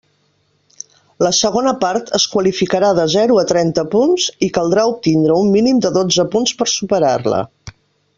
La segona part es qualificarà de zero a trenta punts i caldrà obtindre un mínim de dotze punts per a superar-la.